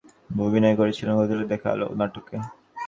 Poppy জানান, এর আগে তিনি অভিনয় করেছিলেন গোধূলির দেখা আলো নাটকে।